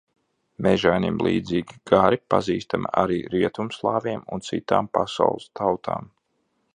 Mežainim līdzīgi gari pazīstami arī rietumslāviem un citām pasaules tautām.